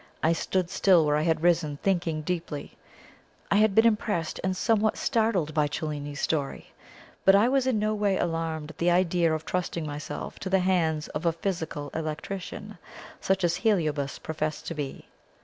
I stood still where I had risen, thinking deeply. I had been impressed and somewhat startled by Cellini's story; but I was in no way alarmed at the idea of trusting myself to the hands of a physical electrician such as Heliobas professed to be.